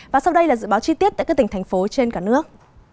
và sau đây là dự báo chi tiết tại các tỉnh thành phố trên cả nước